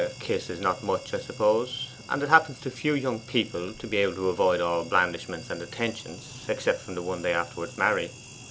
A kiss is not much, I suppose, and it happens to few young people to be able to avoid all blandishments and attentions except from the one they afterwards marry.